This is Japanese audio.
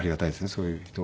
そういう人は。